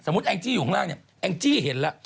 สมมุติแองจี้อยู่ข้างล่างเนี่ยแองจี้เห็นล่ะ